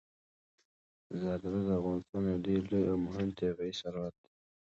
زردالو د افغانستان یو ډېر لوی او مهم طبعي ثروت دی.